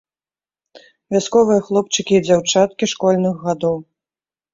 Вясковыя хлопчыкі і дзяўчаткі школьных гадоў.